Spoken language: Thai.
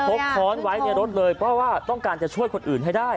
กค้อนไว้ในรถเลยเพราะว่าต้องการจะช่วยคนอื่นให้ได้